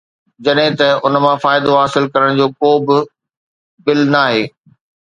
جڏهن ته ان مان فائدو حاصل ڪرڻ جو ڪو به بل ناهي